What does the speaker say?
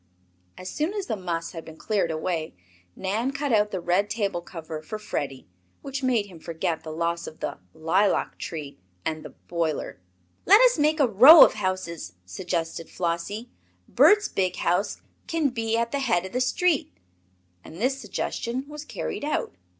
As soon as the muss had been cleared away Nan cut out the red table cover for Freddie, which made him forget the loss of the "lilac tree" and the "boiler." "Let us make a row of houses," suggested Flossie. "Bert's big house can be at the head of the street." And this suggestion was carried out.